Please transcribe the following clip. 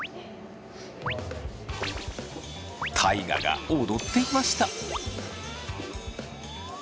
大我が踊っていました。